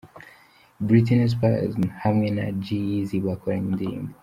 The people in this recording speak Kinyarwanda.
Britney Spears hamwe na G Eazy bakoranye indirimbo.